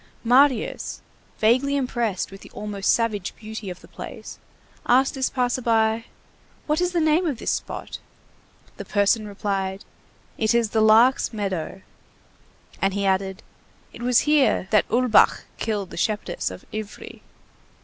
Marius, vaguely impressed with the almost savage beauty of the place, asked this passer by:—"What is the name of this spot?" The person replied: "It is the Lark's meadow." And he added: "It was here that Ulbach killed the shepherdess of Ivry."